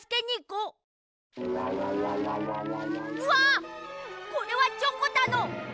うわっこれはチョコタの！